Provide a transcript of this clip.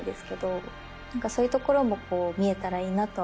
そういうところも見えたらいいなとは思ってます。